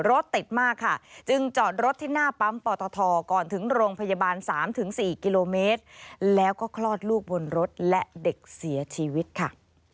รถติดมากค่ะจึงจอดรถที่หน้าปั๊มปอตทก่อนถึงโรงพยาบาล๓๔กิโลเมตรแล้วก็คลอดลูกบนรถและเด็กเสียชีวิตค่ะ